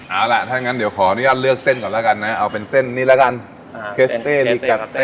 เอาล่ะถ้างั้นเดี๋ยวขออนุญาตเลือกเส้นก่อนแล้วกันนะเอาเป็นเส้นนี้แล้วกันเคสเต้ลิกาเต้